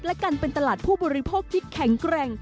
และกันเป็นตลาดผู้บริโภคที่แข็งแกร่ง